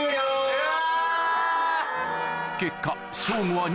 ・うわ！